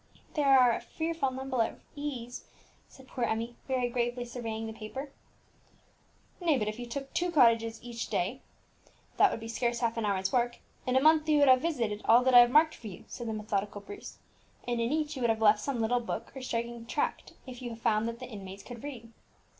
"There are a fearful number of E's," said poor Emmie, very gravely surveying the paper. "Nay, if you took but two cottages each day (that would be scarce half an hour's work), in a month you would have visited all that I have marked for you," said the methodical Bruce; "and in each you would have left some little book or striking tract, if you had found that the inmates could read."